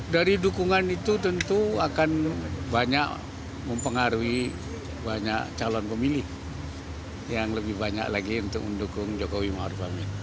dari dukungan itu tentu akan banyak mempengaruhi banyak calon pemilih yang lebih banyak lagi untuk mendukung jokowi ⁇ maruf ⁇ amin